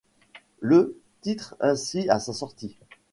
Le ' titre ainsi à sa sortie.